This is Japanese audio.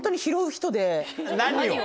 何を？